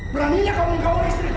beraninya kau menggawal istriku